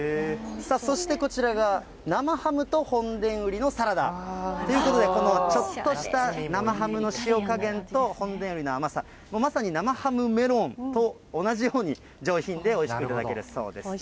さあそして、こちらが生ハムと本田ウリのサラダということで、このちょっとした生ハムの塩加減と、本田ウリの甘さ、まさに生ハムメロンと同じように、上品で、おいしくいただけるそうです。